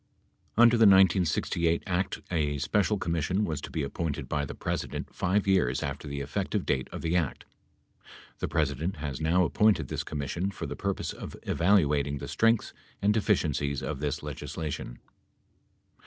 Under the 1968 act a special commission was to be appointed by the President 5 years after the effective date of the act. The President has now appointed this commission for the purpose of evaluating the strengths and deficiencies of this legislation.